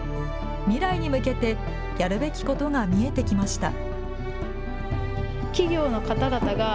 未来に向けてやるべきことが見えてきました。